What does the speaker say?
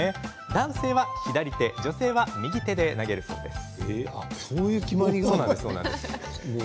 男性は左手、女性は右手で投げるそうです。